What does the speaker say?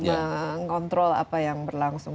mengontrol apa yang berlangsung